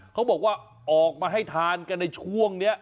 เขาบอกว่าออกมาให้ทานกันในช่วงนี้